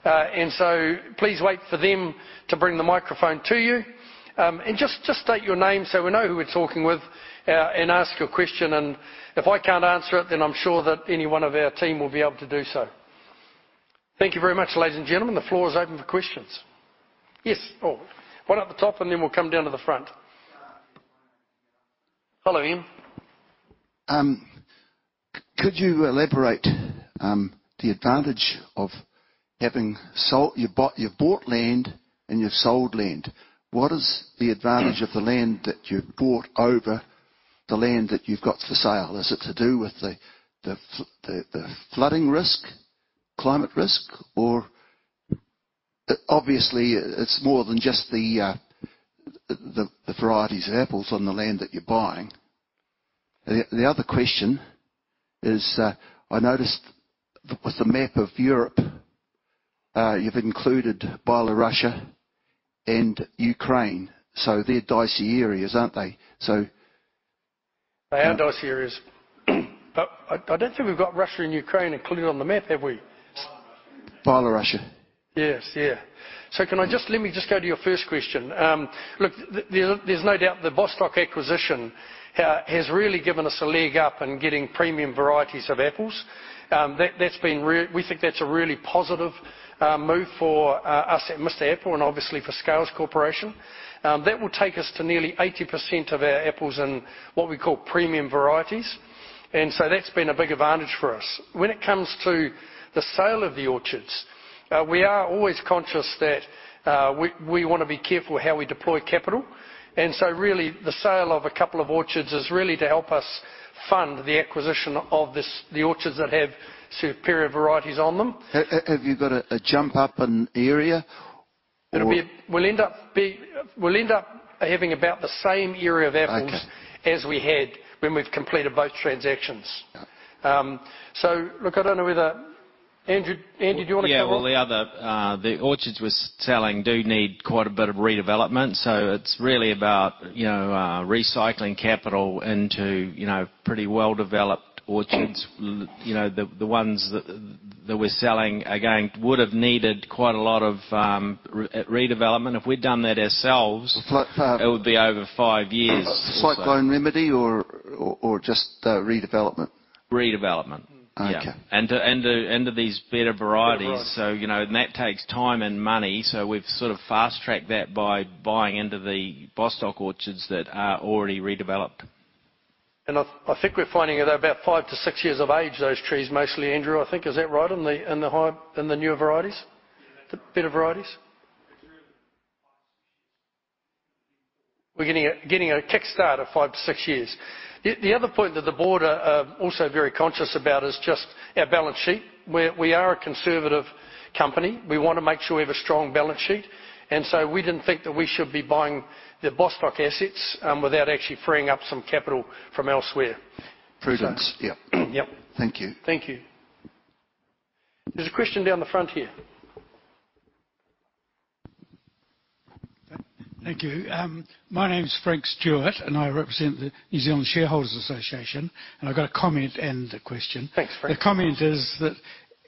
A: And so please wait for them to bring the microphone to you. And just state your name so we know who we're talking with, and ask your question. And if I can't answer it, then I'm sure that any one of our team will be able to do so. Thank you very much, ladies and gentlemen, the floor is open for questions. Yes. Oh, one at the top, and then we'll come down to the front. Hello, Ian.
D: Could you elaborate, the advantage of having sold. You've bought land and you've sold land. What is the advantage of the land that you bought over the land that you've got for sale? Is it to do with the flooding risk, climate risk, or...? Obviously, it's more than just the varieties of apples on the land that you're buying. The other question is, I noticed with the map of Europe, you've included Belarus and Ukraine, so they're dicey areas, aren't they? So-
A: They are dicey areas. But I don't think we've got Russia and Ukraine included on the map, have we?
D: Byelorussia. Byelorussia.
A: Yes. Yeah. Let me just go to your first question. Look, there's no doubt the Bostock acquisition has really given us a leg up in getting premium varieties of apples. We think that's a really positive move for us at Mr Apple and obviously for Scales Corporation. That will take us to nearly 80% of our apples in what we call premium varieties, and so that's been a big advantage for us. When it comes to the sale of the orchards, we are always conscious that we wanna be careful how we deploy capital, and so really, the sale of a couple of orchards is really to help us fund the acquisition of the orchards that have superior varieties on them.
D: Have you got a jump up in area or?
A: We'll end up having about the same area of apples.
D: Okay.
A: As we had when we've completed both transactions.
D: Yeah.
A: So look, I don't know whether... Andrew, Andrew, do you wanna comment?
E: Yeah, well, the other orchards we're selling do need quite a bit of redevelopment, so it's really about, you know, recycling capital into, you know, pretty well-developed orchards. You know, the ones that we're selling again would have needed quite a lot of redevelopment. If we'd done that ourselves-
D: But, uh-
E: It would be over five years.
D: Cyclone remedy or just redevelopment?
B: Redevelopment.
D: Okay.
B: Yeah, into these better varieties.
A: Right.
B: So, you know, and that takes time and money, so we've sort of fast-tracked that by buying into the Bostock orchards that are already redeveloped.
A: I think we're finding it about five to six years of age, those trees, mostly, Andrew, I think. Is that right, in the higher, in the newer varieties? The better varieties?
D: It's really five, six years.
A: We're getting a kickstart of five to six years. The other point that the board are also very conscious about is just our balance sheet. We are a conservative company. We want to make sure we have a strong balance sheet, and so we didn't think that we should be buying the Bostock assets without actually freeing up some capital from elsewhere.
D: Prudence.
A: So.
D: Yeah.
A: Yep.
D: Thank you.
A: Thank you. There's a question down the front here.
D: Thank you. My name is Frank Stewart, and I represent the New Zealand Shareholders Association, and I've got a comment and a question.
A: Thanks, Frank.
D: The comment is that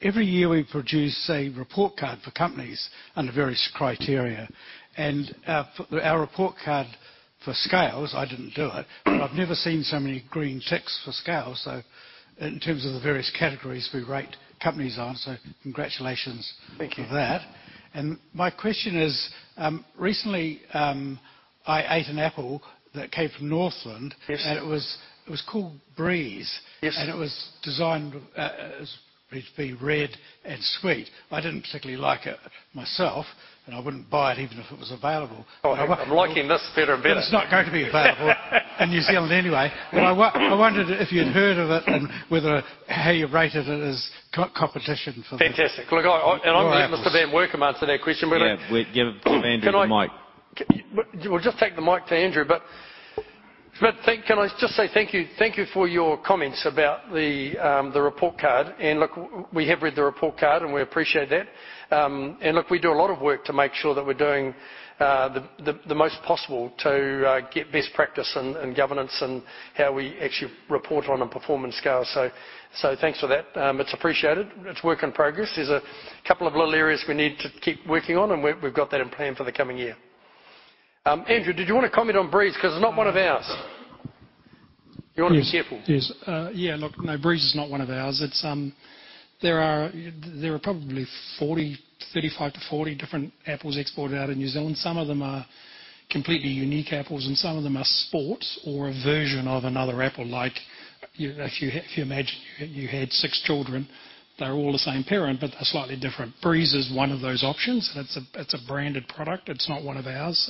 D: every year we produce a report card for companies under various criteria, and our report card for Scales, I didn't do it, but I've never seen so many green ticks for Scales. So in terms of the various categories we rate companies on, so congratulations-
A: Thank you.
D: For that. And my question is, recently, I ate an apple that came from Northland.
A: Yes.
D: It was called Breeze.
A: Yes.
D: It was designed to be red and sweet. I didn't particularly like it myself, and I wouldn't buy it even if it was available.
A: I'm liking this better and better.
D: But it's not going to be available in New Zealand anyway. But I wondered if you'd heard of it and whether, how you rated it as competition for the-
A: Fantastic. Look, and I'm glad Mr. van Workum answered that question, but,
B: Yeah, we give Andrew the mic.
A: We'll just take the mic to Andrew, but thank you, thank you for your comments about the report card. Look, we have read the report card, and we appreciate that. Look, we do a lot of work to make sure that we're doing the most possible to get best practice and governance in how we actually report on and perform in Scales. So thanks for that. It's appreciated. It's work in progress. There's a couple of little areas we need to keep working on, and we've got that in plan for the coming year. Andrew, did you want to comment on Breeze? Because it's not one of ours. You want to be careful.
F: Yes, yeah, look, no, Breeze is not one of ours. It's there are probably 35-40 different apples exported out of New Zealand. Some of them are completely unique apples, and some of them are sports or a version of another apple. Like, if you imagine you had six children, they're all the same parent, but they're slightly different. Breeze is one of those options, and it's a branded product. It's not one of ours.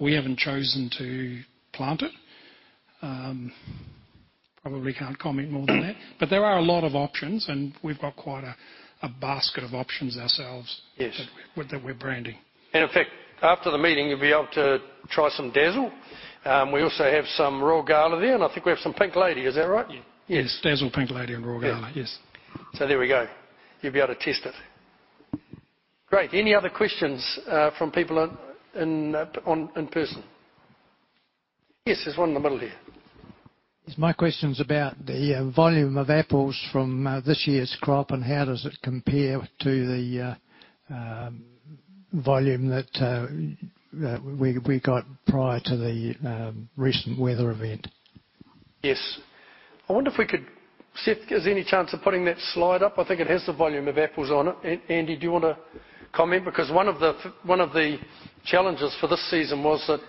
F: We haven't chosen to plant it. Probably can't comment more than that. But there are a lot of options, and we've got quite a basket of options ourselves-
A: Yes
F: that we're branding.
A: In fact, after the meeting, you'll be able to try some Dazzle. We also have some Royal Gala there, and I think we have some Pink Lady. Is that right?
F: Yes. Dazzle, Pink Lady, and Royal Gala.
A: Yeah.
F: Yes.
A: So there we go. You'll be able to test it. Great. Any other questions from people in person? Yes, there's one in the middle here.
D: Yes, my question's about the volume of apples from this year's crop, and how does it compare to the volume that we got prior to the recent weather event?
A: Yes. I wonder if we could... Seth, is there any chance of putting that slide up? I think it has the volume of apples on it. Andy, do you want to comment? Because one of the challenges for this season was that,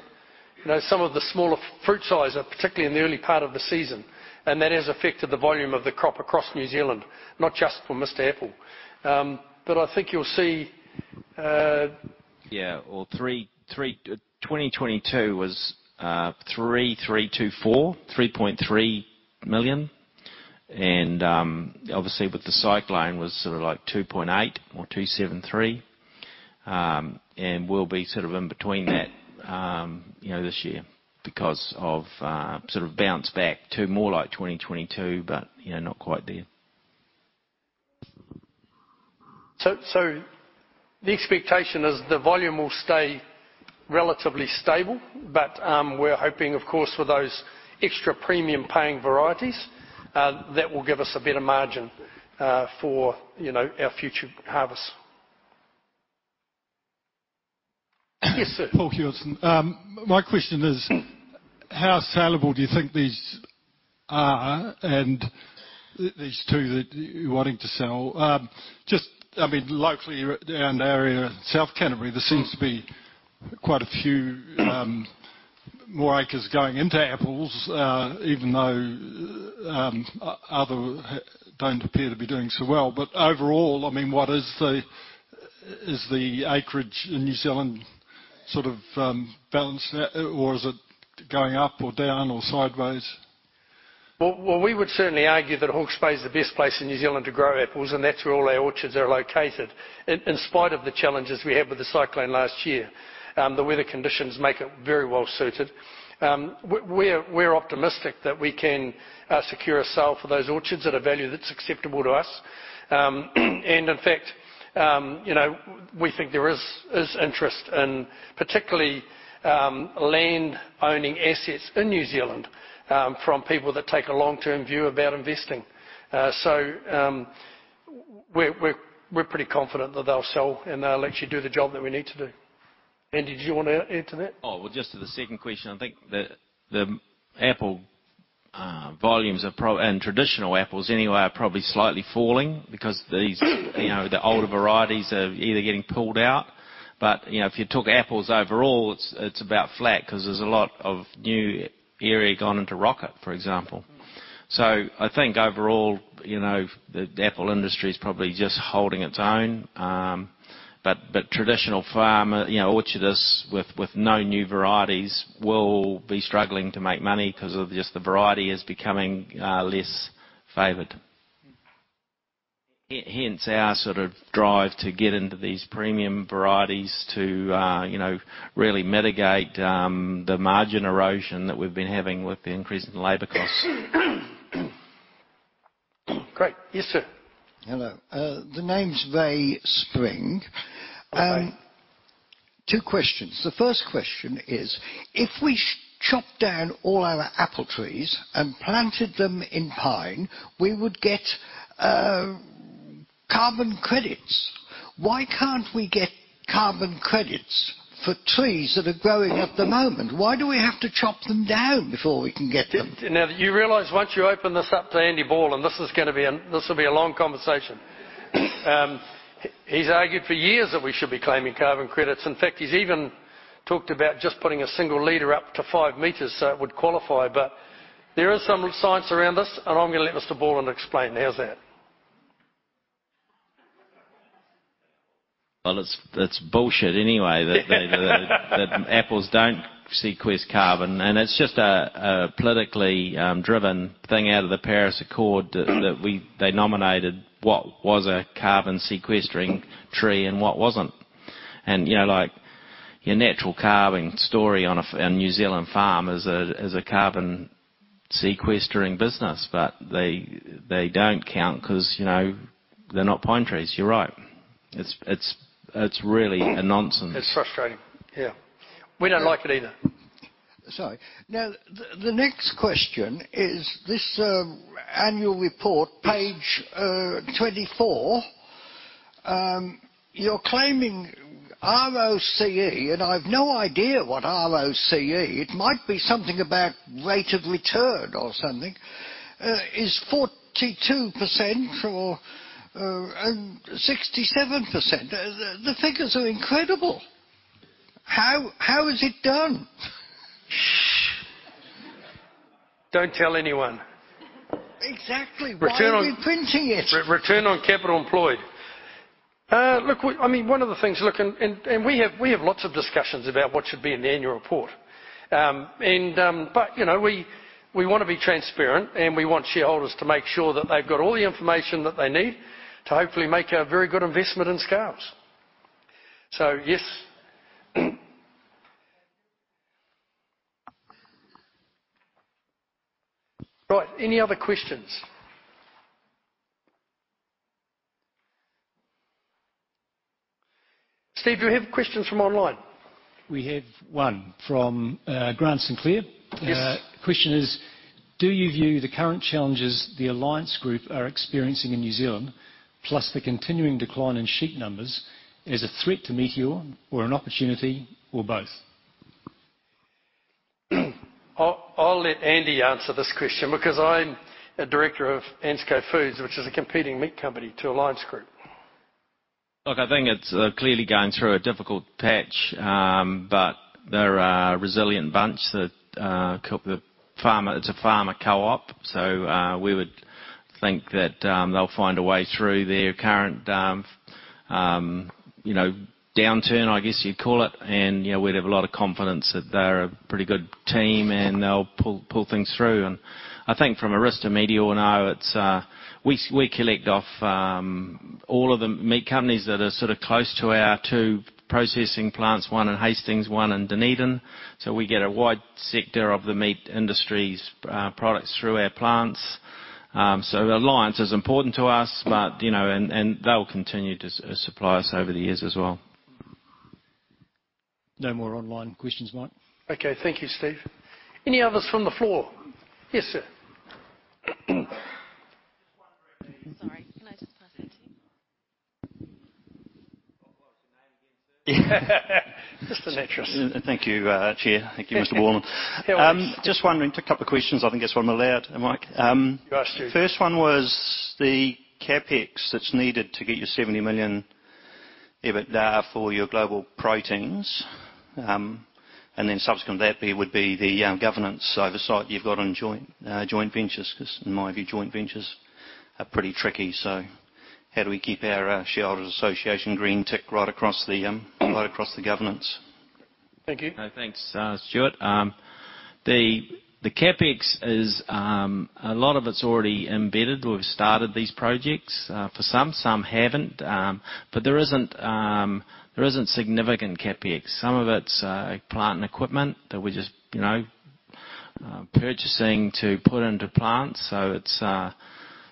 A: you know, some of the smaller fruit size, particularly in the early part of the season, and that has affected the volume of the crop across New Zealand, not just for Mr. Apple. But I think you'll see.
B: Yeah, well, 3.3, 2022 was 3,324, 3.3 million, and obviously, with the cyclone was sort of like 2.8 or 2.73. And we'll be sort of in between that, you know, this year because of sort of bounce back to more like 2022, but you know, not quite there.
A: So the expectation is the volume will stay relatively stable, but we're hoping, of course, with those extra premium paying varieties, that will give us a better margin, for you know, our future harvests. Yes, sir.
D: Paul Hewson. My question is, how saleable do you think these are, and these two that you're wanting to sell? Just, I mean, locally, in our area, South Canterbury, there seems to be quite a few more acres going into apples, even though other don't appear to be doing so well. But overall, I mean, what is the, is the acreage in New Zealand sort of balanced now, or is it going up or down or sideways?
A: We would certainly argue that Hawke's Bay is the best place in New Zealand to grow apples, and that's where all our orchards are located. In spite of the challenges we had with the cyclone last year, the weather conditions make it very well-suited. We're optimistic that we can secure a sale for those orchards at a value that's acceptable to us. And in fact, you know, we think there is interest in particularly land-owning assets in New Zealand from people that take a long-term view about investing. So, we're pretty confident that they'll sell, and they'll actually do the job that we need to do. Andy, did you want to add to that?
B: Oh, well, just to the second question, I think the apple volumes are proprietary and traditional apples anyway, are probably slightly falling because these, you know, the older varieties are either getting pulled out. But, you know, if you took apples overall, it's about flat 'cause there's a lot of new area gone into Rockit, for example. So I think overall, you know, the apple industry is probably just holding its own. But traditional farmers, you know, orchardists with no new varieties will be struggling to make money 'cause just the variety is becoming less favored. Hence our sort of drive to get into these premium varieties to, you know, really mitigate the margin erosion that we've been having with the increase in labor costs.
D: Great. Yes, sir. Hello. The name's Ray Spring. Hi. Two questions. The first question is, if we chopped down all our apple trees and planted them in pine, we would get carbon credits. Why can't we get carbon credits for trees that are growing at the moment? Why do we have to chop them down before we can get them?
A: Now, do you realize once you open this up to Andy Borland, this is gonna be a, this will be a long conversation. He's argued for years that we should be claiming carbon credits. In fact, he's even talked about just putting a single leader up to five meters, so it would qualify. But there is some science around this, and I'm gonna let Mr. Borland explain. How's that?
B: It's bullshit anyway that apples don't sequester carbon, and it's just a politically driven thing out of the Paris Accord that they nominated what was a carbon sequestering tree and what wasn't. And you know, like, your natural calving story on a New Zealand farm is a carbon sequestering business, but they don't count because, you know, they're not pine trees. You're right. It's really a nonsense.
A: It's frustrating, yeah. We don't like it either....
D: Sorry. Now, the next question is this, annual report, page 24, you're claiming ROCE, and I've no idea what ROCE, it might be something about rate of return or something, is 42% or, and 67%. The figures are incredible! How is it done?
A: Shh! Don't tell anyone.
D: Exactly.
A: Return on-
D: Why are you printing it?
A: Return on capital employed.
D: Look, I mean, one of the things. Look, and we have lots of discussions about what should be in the annual report. And, but, you know, we want to be transparent, and we want shareholders to make sure that they've got all the information that they need to hopefully make a very good investment in Scales. So, yes.
A: Right, any other questions? Steve, do you have questions from online?
G: We have one from, Grant Sinclair.
A: Yes.
G: Question is: Do you view the current challenges the Alliance Group are experiencing in New Zealand, plus the continuing decline in sheep numbers, as a threat to Meateor or an opportunity, or both?
A: I'll let Andy answer this question because I'm a director of ANZCO Foods, which is a competing meat company to Alliance Group.
B: Look, I think it's clearly going through a difficult patch, but they're a resilient bunch that the farmer... It's a farmer co-op, so we would think that, you know, they'll find a way through their current, you know, downturn, I guess you'd call it. And, you know, we'd have a lot of confidence that they're a pretty good team, and they'll pull things through. And I think from our Meateor now, it's we collect off all of the meat companies that are sort of close to our two processing plants, one in Hastings, one in Dunedin. So we get a wide sector of the meat industry's products through our plants. So Alliance is important to us, but, you know, and they'll continue to supply us over the years as well.
G: No more online questions, Mike.
A: Okay. Thank you, Steve. Any others from the floor? Yes, sir.
D: Just one for Andy. Sorry, can I just pass that to you?
A: Just to add to this.
D: Thank you, Chair. Thank you, Mr. Borland.
A: Yeah.
D: Just wondering, a couple of questions, I think that's what I'm allowed, Mike.
A: Yes, Steve.
D: First one was the CapEx that's needed to get you 70 million EBIT for your Global Proteins. And then subsequent to that, would be the governance oversight you've got on joint ventures, 'cause in my view, joint ventures are pretty tricky. So how do we keep our shareholders association green-tick right across the governance?
A: Thank you.
B: Thanks, Stuart. The CapEx is a lot of it's already embedded. We've started these projects, for some, some haven't. But there isn't significant CapEx. Some of it's plant and equipment that we just, you know, purchasing to put into plants. So it's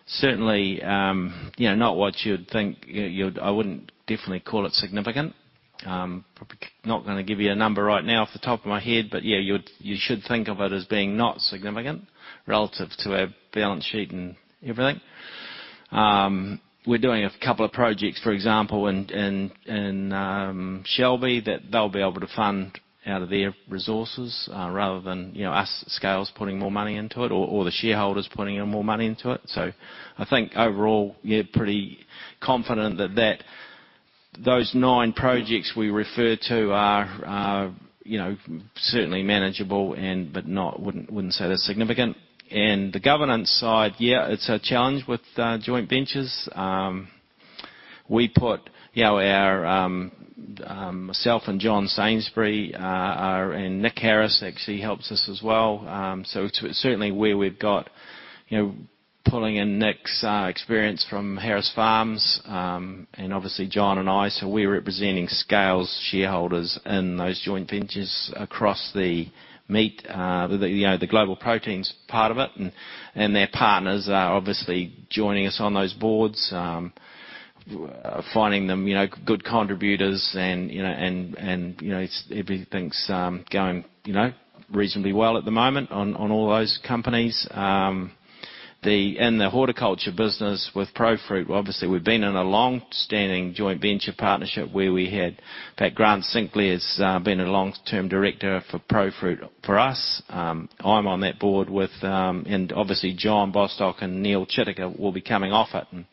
B: certainly, you know, not what you'd think, you'd-- I wouldn't definitely call it significant. Probably not gonna give you a number right now off the top of my head, but, yeah, you should think of it as being not significant relative to our balance sheet and everything. We're doing a couple of projects, for example, in Shelby, that they'll be able to fund out of their resources, rather than, you know, us, Scales, putting more money into it or the shareholders putting in more money into it. So I think overall, yeah, pretty confident that those nine projects we refer to are, you know, certainly manageable and, but not... Wouldn't say they're significant, and the governance side, yeah, it's a challenge with joint ventures. We put, you know, our, myself and John Sainsbury are, and Nick Harris actually helps us as well. Certainly where we've got, you know, pulling in Nick's experience from Harris Farms, and obviously, John and I, so we're representing Scales shareholders in those joint ventures across the meat, you know, the Global Proteins part of it. And their partners are obviously joining us on those boards, finding them, you know, good contributors and, you know, it's everything's going, you know, reasonably well at the moment on all those companies. In the horticulture business with Profruit, obviously, we've been in a long-standing joint venture partnership where we had. In fact, Grant Sinclair's been a long-term director for Profruit for us. I'm on that board with, and obviously, John Bostock and Neil Chittick will be coming off it, and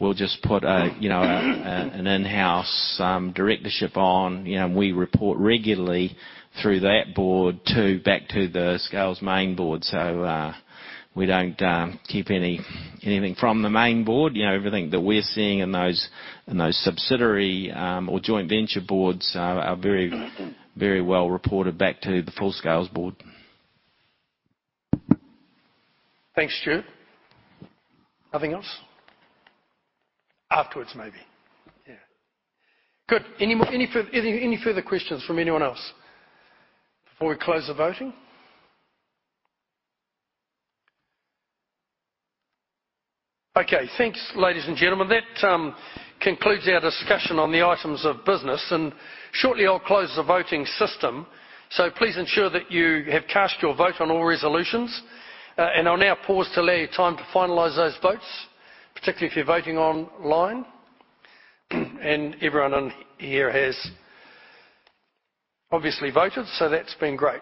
B: we'll just put a, you know, an in-house directorship on. You know, and we report regularly through that board to back to the Scales main board. So, we don't keep anything from the main board. You know, everything that we're seeing in those subsidiary or joint venture boards are very, very well reported back to the full Scales board.
A: Thanks, Stuart. Nothing else? Afterwards, maybe. Yeah. Good. Any further questions from anyone else before we close the voting? Okay, thanks, ladies and gentlemen. That concludes our discussion on the items of business, and shortly, I'll close the voting system, so please ensure that you have cast your vote on all resolutions, and I'll now pause to allow you time to finalize those votes, particularly if you're voting online, and everyone in here has obviously voted, so that's been great.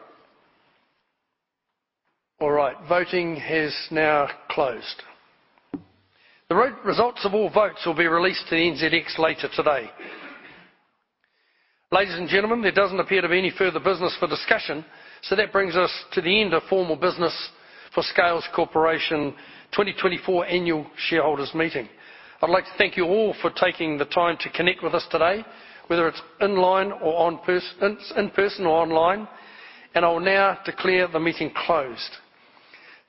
A: All right, voting has now closed. The results of all votes will be released to the NZX later today. Ladies and gentlemen, there doesn't appear to be any further business for discussion, so that brings us to the end of formal business for Scales Corporation 2024 Annual Shareholders Meeting. I'd like to thank you all for taking the time to connect with us today, whether it's online or in person or online, and I will now declare the meeting closed.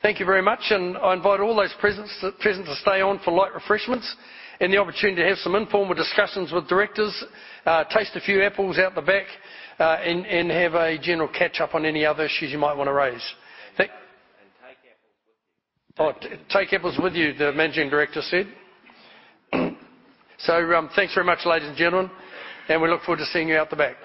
A: Thank you very much, and I invite all those present to stay on for light refreshments and the opportunity to have some informal discussions with directors, taste a few apples out the back, and have a general catch-up on any other issues you might want to raise. Thank-
B: Take apples with you.
A: Oh, take apples with you, the managing director said. Thanks very much, ladies and gentlemen, and we look forward to seeing you out the back.